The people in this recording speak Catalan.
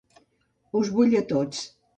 Us vull a tots.